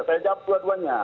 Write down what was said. saya jawab dua duanya